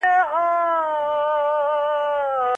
مصنوعي حرکتونه نرم ښکاري.